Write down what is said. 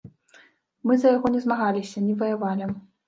Мы за яго не змагаліся, не ваявалі.